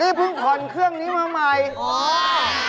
นี่เพิ่งผ่อนเครื่องนี้มาใหม่อ๋อ